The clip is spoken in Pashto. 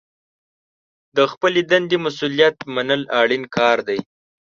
د خپلې دندې مسوولیت منل اړین کار دی.